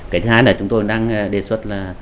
cái thứ hai là chúng tôi đang đề xuất là